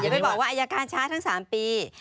อย่าไปบอกว่ายาการช้าทั้ง๓ปี